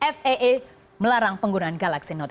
faa melarang penggunaan galaxy note